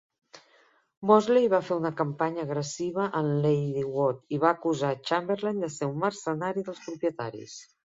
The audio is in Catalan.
Mosley va fer una campanya agressiva en Ladywood i va acusar Chamberlain de ser un "mercenari dels propietaris".